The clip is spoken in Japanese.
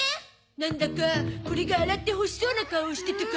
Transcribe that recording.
なんだかこれが洗ってほしそうな顔をしてたから。